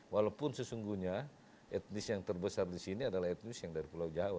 walaupun sesungguhnya etnis yang terbesar di sini adalah etnis yang dari pulau jawa